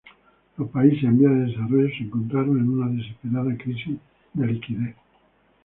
Los países en vías de desarrollo se encontraron en una desesperada crisis de liquidez.